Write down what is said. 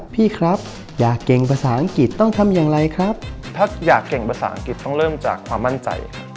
ถ้าอยากเก่งภาษาอังกฤษต้องเริ่มจากความมั่นใจค่ะ